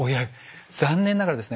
残念ながらですね